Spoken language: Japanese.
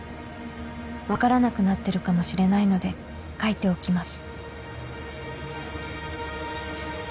「分からなくなってるかもしれないので書いておきます」